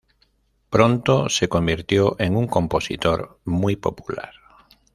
Pronto se convirtió en un compositor muy popular.